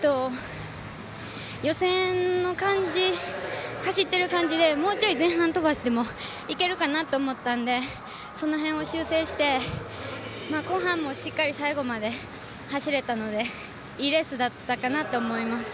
予選の感じ走っている感じでもうちょい前半飛ばしてもいけるかなと思ったのでその辺を修正して後半もしっかり最後まで走れたのでいいレースだったかなと思います。